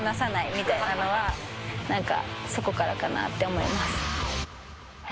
みたいなのはなんかそこからかなって思います。